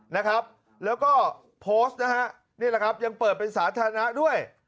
นะครับแล้วก็โพสต์นะฮะนี่แหละครับยังเปิดเป็นสาธารณะด้วย